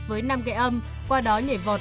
với năm gạy âm qua đó nhảy vọt